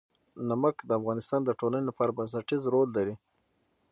نمک د افغانستان د ټولنې لپاره بنسټيز رول لري.